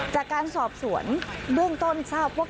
จากการสอบสวนเบื้องต้นทราบว่า